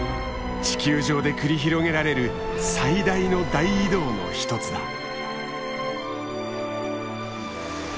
地球上で繰り広げられる最大の大移動の一つだ。